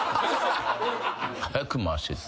「早く回して」って。